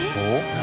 何？